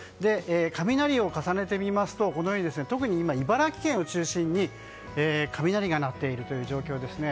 雷を重ねて見ますと特に茨城県を中心に雷が鳴っている状況ですね。